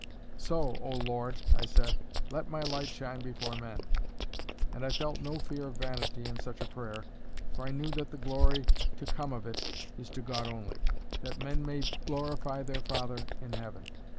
"So, O Lord," I said, "let my light shine before men." And I felt no fear of vanity in such a prayer, for I knew that the glory to come of it is to God only—"that men may glorify their Father in heaven."